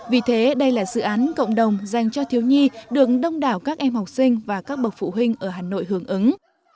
vì thế đây là dự án cộng đồng dành cho thiếu nhi được đông đảo các em học sinh và các bậc phụ huynh ở hà nội hưởng ứng